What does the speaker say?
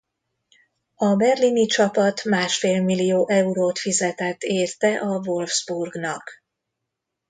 A berlini csapat másfél millió eurót fizetett érte a Wolfsburgnak.